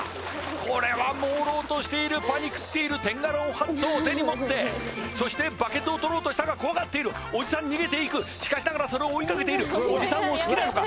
これはもうろうとしているパニクっているテンガロンハットを手に持ってそしてバケツを取ろうとしたが怖がっているおじさん逃げていくしかしながらそれを追いかけているおじさんを好きなのか？